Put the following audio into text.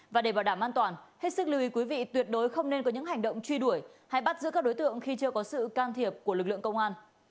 và để bảo đảm an toàn hết sức lưu ý quý vị tuyệt đối không nên có những hành động truy đuổi hay bắt giữ các đối tượng khi chưa có sự can thiệp của lực lượng công an